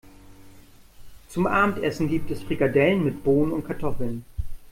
Zum Abendessen gibt es Frikadellen mit Bohnen und Kartoffeln.